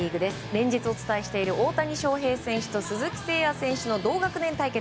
連日お伝えしている大谷翔平選手と鈴木誠也選手の同学年対決。